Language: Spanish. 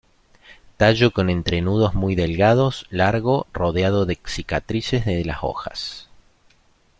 Tallo con entrenudos muy delgados, largo, rodeado de cicatrices de las hojas.